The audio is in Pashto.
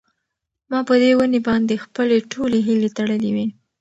ما په دې ونې باندې خپلې ټولې هیلې تړلې وې.